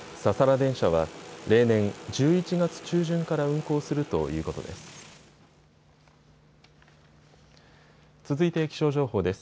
電車は例年、１１月中旬から運行するということです。